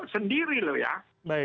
sendiri loh ya